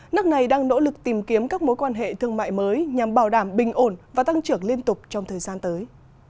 nước này đang nỗ lực tìm kiếm các mối quan hệ thương mại mới nhằm bảo đảm bình ổn và tăng trưởng liên tục trong thời gian tới